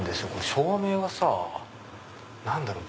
照明がさ何だろう？